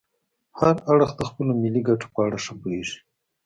هر اړخ د خپلو ملي ګټو په اړه ښه پوهیږي